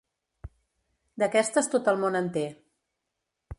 D'aquestes tot el món en té.